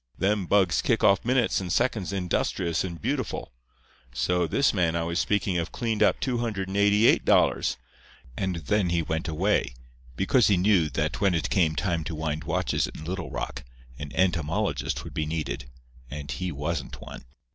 Them bugs kick off minutes and seconds industrious and beautiful. So, this man I was speaking of cleaned up $288; and then he went away, because he knew that when it came time to wind watches in Little Rock an entomologist would be needed, and he wasn't one.